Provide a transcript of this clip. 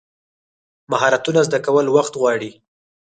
مهارتونه زده کول وخت غواړي.